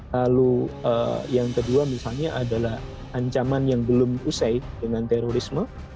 lalu yang kedua misalnya adalah ancaman yang belum usai dengan terorisme